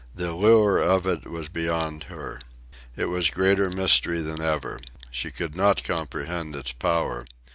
The lure of it was beyond her. It was greater mystery than ever. She could not comprehend its power.